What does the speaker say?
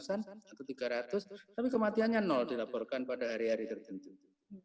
tapi kematiannya nol dilaporkan pada hari hari tergantung